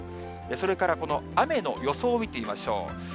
それから、この雨の予想を見てみましょう。